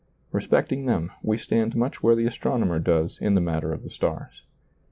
Respecting them, we stand much where the astronomer does in the matter of the stars.